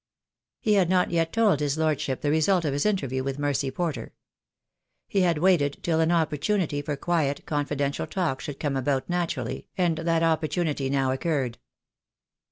He had not yet told his lordship the result of his interview with Mercy Porter. He had waited till an op portunity for quiet, confidential talk should come about naturally, and that opportunity now occurred.